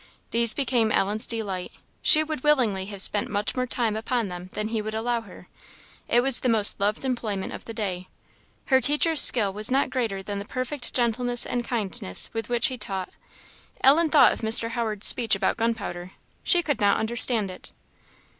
These became Ellen's delight. She would willingly have spent much more time upon them than he would allow her. It was the most loved employment of the day. Her teacher's skill was not greater than the perfect gentleness and kindness with which he taught. Ellen thought of Mr. Howard's speech about gunpowder she could not understand it.